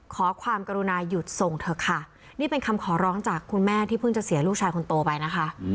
ขอความกรุณาหยุดส่งเถอะค่ะนี่เป็นคำขอร้องจากคุณแม่ที่เพิ่งจะเสียลูกชายคนโตไปนะคะ